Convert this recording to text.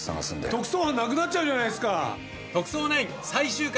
「特捜班なくなっちゃうじゃないですか！」